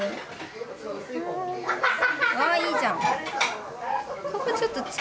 あっいいじゃん。